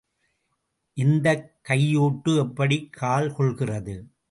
இந்தக் கையூட்டு எப்படிக் கால்கொள்கிறது?